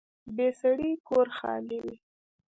بې سړي کور خالي وي